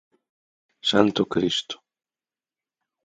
Santo Cristo.